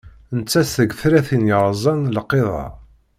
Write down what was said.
Nettat seg tlawin yerẓan lqid-a.